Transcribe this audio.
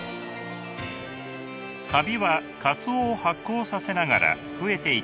カビはかつおを発酵させながら増えていきます。